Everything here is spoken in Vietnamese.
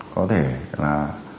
có thể là